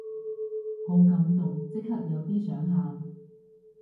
好感動，即刻有啲想喊